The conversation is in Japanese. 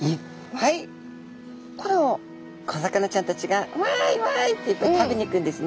これを小魚ちゃんたちが「わいわい」って食べに行くんですね。